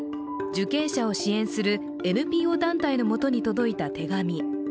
受刑者を支援するＮＰＯ団体の元に届いた手紙。